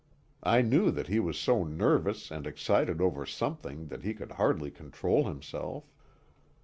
I knew that he was so nervous and excited over something that he could hardly control himself.